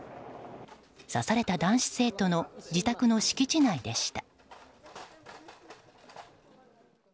刺された男子生徒の自宅の敷地内でした。